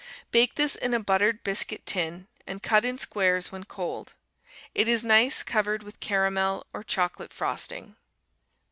Bake this in a buttered biscuit tin, and cut in squares when cold. It is nice covered with caramel or chocolate frosting.